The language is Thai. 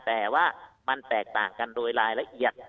แต่ว่ามันแตกต่างกันโดยรายละเอียด